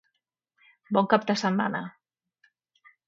Bon cap de setmana!